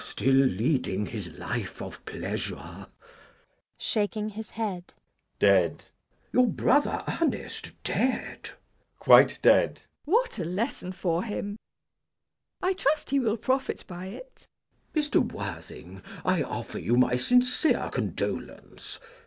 Still leading his life of pleasure? JACK. [Shaking his head.] Dead! CHASUBLE. Your brother Ernest dead? JACK. Quite dead. MISS PRISM. What a lesson for him! I trust he will profit by it. CHASUBLE. Mr. Worthing, I offer you my sincere condolence.